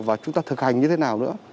và chúng ta thực hành như thế nào nữa